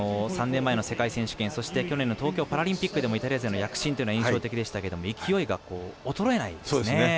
３年前の世界選手権そして去年の東京パラリンピックでもイタリア勢の躍進というのは印象的でしたけど勢いが衰えないですね。